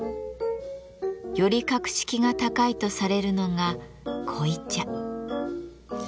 より格式が高いとされるのが濃茶。